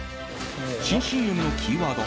新ＣＭのキーワード